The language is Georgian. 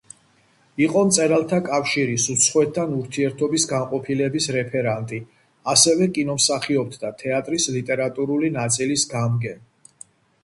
იყო მწერალთა კავშირის უცხოეთთან ურთიერთობის განყოფილების რეფერენტი, ასევე კინომსახიობთა თეატრის ლიტერატურული ნაწილის გამგე.